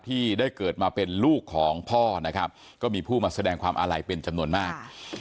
ที่ได้เกิดมาเป็นลูกของพ่อนะครับก็มีผู้มาแสดงความอาลัยเป็นจำนวนมาก